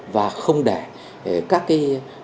và không để các quân nhân dân